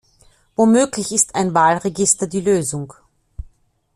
Womöglich ist ein Wahlregister die Lösung.